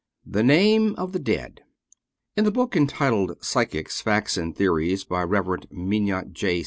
THE NAME OF THE DEAD In the book entitled Psychics: Facts and Theories, by Rev. Minot J.